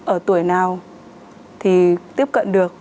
ở tuổi nào thì tiếp cận được